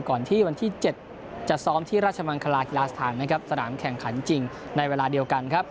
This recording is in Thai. ก่อนที่วันที่๗ที่จะซ้อมที่ราชวังฆลากิฬาสถานสนามแข่งขันจริงในเวลาเดียวกัน